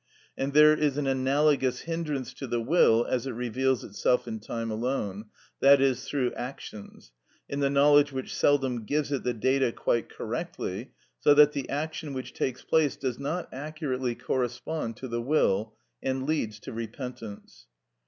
And there is an analogous hindrance to the will as it reveals itself in time alone, i.e., through actions, in the knowledge which seldom gives it the data quite correctly, so that the action which takes place does not accurately correspond to the will, and leads to repentance.